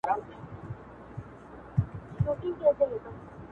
• شپې رخصت پر جنازو کړې په سهار پسي سهار کې -